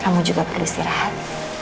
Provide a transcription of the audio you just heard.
kamu juga perlu istirahat